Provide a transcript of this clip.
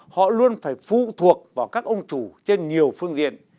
họ luôn phải phụ thuộc vào các ông chủ trên nhiều phương diện